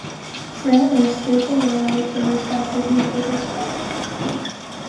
Grant listed below their respective newspaper's flags.